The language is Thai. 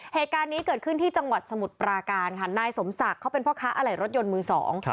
เหตุการณ์นี้เกิดขึ้นที่จังหวัดสมุทรปราการค่ะนายสมศักดิ์เขาเป็นพ่อค้าอะไหล่รถยนต์มือสอง